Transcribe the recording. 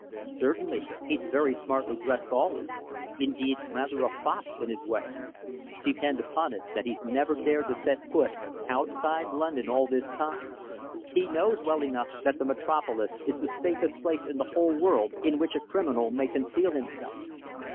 "Certainly. He's very smartly dressed always; indeed, rather a fop in his way." "Depend upon it that he's never dared to set foot outside London all this time. He knows well enough that the Metropolis is the safest place in the whole world in which a criminal may conceal himself.